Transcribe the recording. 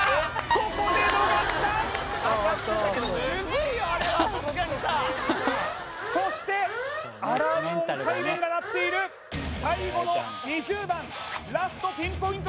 ここで逃したそしてアラーム音サイレンが鳴っている最後の２０番ラストピンポイント